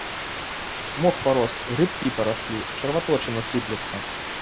Мох парос, грыбкі параслі, чарвяточына сыплецца.